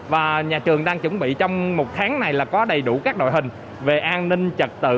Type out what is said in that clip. và nhà trường đang chuẩn bị trong một tháng này là có đầy đủ các đội hình về an ninh trật tự